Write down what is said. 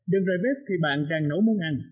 đừng rời bếp khi bạn đang nấu món ăn